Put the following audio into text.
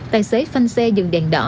tài xế phanh xe dừng đèn đỏ